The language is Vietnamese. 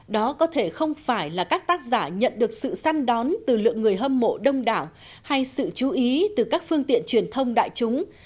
đó có thể không phải là các tác giả nhận được sự săn đón từ lượng người hâm mộ đông đảo hay sự chú ý từ các phương tiện truyền thông đại chúng